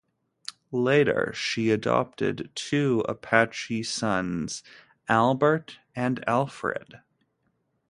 Later she adopted two Apache sons, Albert and Alfred.